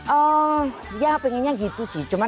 oh ya pengennya gitu sih